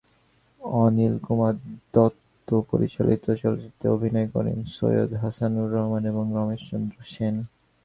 অনিল কুমার দত্ত পরিচালিত চলচ্চিত্রটিতে অভিনয় করেন সৈয়দ হাসানুর রহমান এবং রমেশ চন্দ্র সেন।